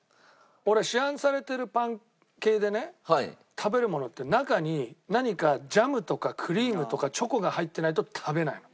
俺市販されてるパン系でね食べるものって中に何かジャムとかクリームとかチョコが入ってないと食べないの。